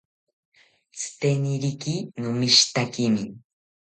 Tziteniriki nomishitakimi